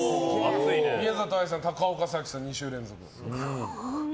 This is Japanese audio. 宮里藍さん、高岡早紀さんと２週連続。